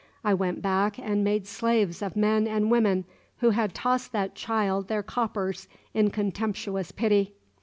I went back and made slaves of men and women who had tossed that child their coppers in contemptuous pity.